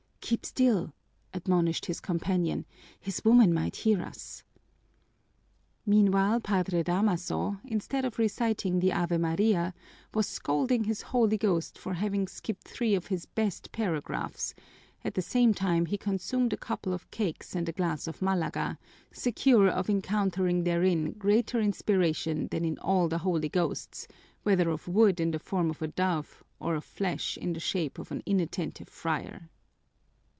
"Keep still!" admonished his companion. "His woman might hear us." Meanwhile, Padre Damaso, instead of reciting the Ave Maria, was scolding his holy ghost for having skipped three of his best paragraphs; at the same time he consumed a couple of cakes and a glass of Malaga, secure of encountering therein greater inspiration than in all the holy ghosts, whether of wood in the form of a dove or of flesh in the shape of an inattentive friar.